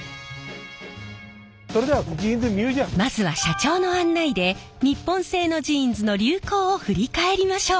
まずは社長の案内で日本製のジーンズの流行を振り返りましょう。